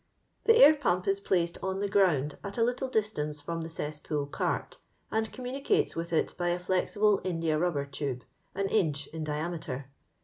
The air pump is placed on the ground at a little dis tance from the cesspool cart, and communi cates with it by a fiexible India rubber tube, an inch in diameter.